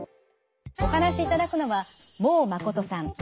お話しいただくのは孟真さん。